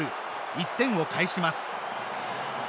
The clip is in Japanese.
１点を返します。